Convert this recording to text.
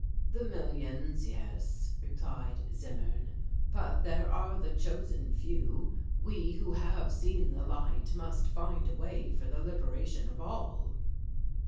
"The millions, yes," replied Zimmern, "but there are the chosen few; we who have seen the light must find a way for the liberation of all."